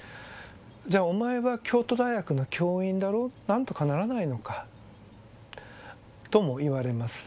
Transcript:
じゃあお前は京都大学の教員だろう何とかならないのかともいわれます